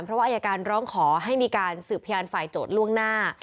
เพราะว่าอายการร้องขอให้มีการสืบพยานฝ่ายโจทย์ล่วงหน้า